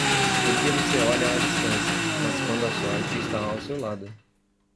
Por que você olha à distância, mas quando a sorte está ao seu lado.